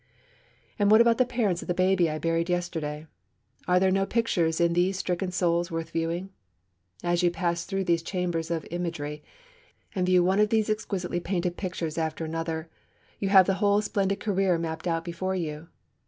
And what about the parents of the baby I buried yesterday? Are there no pictures in these stricken souls worth viewing? As you pass through these chambers of imagery, and view one of these exquisitely painted pictures after another, you have the whole splendid career mapped out before you.